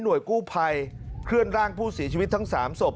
หน่วยกู้ไภเคลื่อนร่างผู้สีชีวิตทั้ง๓ศพ